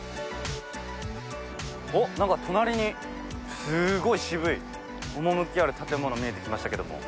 おっなんか隣にすごい渋い趣ある建物見えてきましたけども。